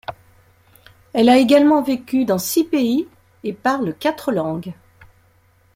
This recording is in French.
Elle a également vécu dans six pays et parle quatre langues.